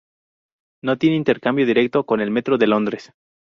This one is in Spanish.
No tiene intercambio directo con el metro de Londres.